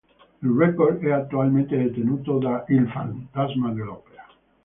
Il record è attualmente detenuto da "Il fantasma dell'Opera".